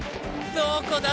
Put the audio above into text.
どこだ？